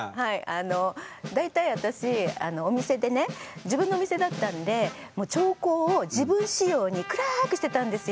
あの大体私お店でね自分のお店だったんでもう調光を自分仕様に暗くしてたんですよ。